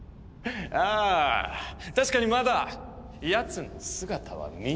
ああ確かにまだやつの姿は見えない。